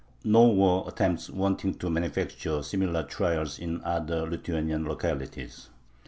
Nor were attempts wanting to manufacture similar trials in other Lithuanian localities.